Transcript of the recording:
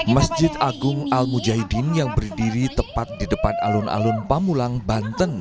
masjid agung al mujahidin yang berdiri tepat di depan alun alun pamulang banten